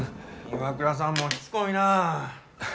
岩倉さんもしつこいなぁ。